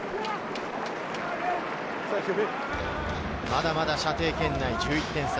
まだまだ射程圏内、１１点差。